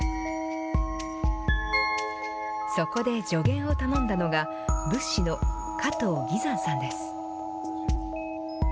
そこで助言を頼んだのが仏師の加藤巍山さんです。